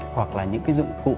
hoặc là những cái dụng cụ